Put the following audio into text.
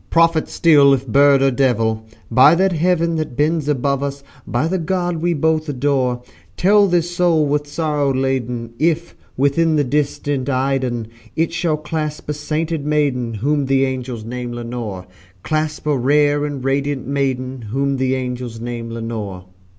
prophet still if bird or devil! By that Heaven that bends above us by that God we both adore, Tell this soul with sorrow laden, if, within the distant Aidenn, It shall clasp a sainted maiden whom the angels name Lenore Clasp a rare and radiant maiden whom the angels name Lenore."